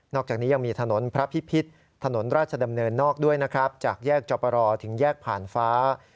อกจากนี้ยังมีถนนพระพิพิษถนนราชดำเนินนอกด้วยนะครับจากแยกจอปรถึงแยกผ่านฟ้า